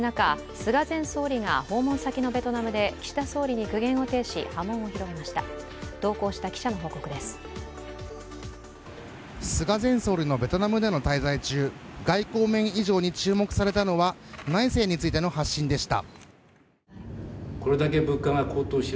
菅前総理のベトナムでの滞在中、外交面以上に注目されたのは内政についての発信でした。